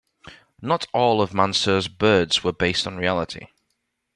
Not all of Mansur's birds were based on reality.